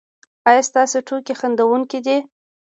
ایا ستاسو ټوکې خندونکې دي؟